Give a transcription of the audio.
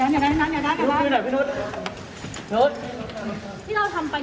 แล้วนู้นเรื่องบินการช่วยชาติบาร์แพง